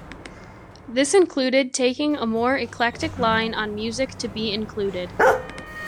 This included taking a more eclectic line on music to be included.